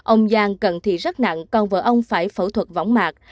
ông yang cần thì rất nặng còn vợ ông phải phẫu thuật võng mạc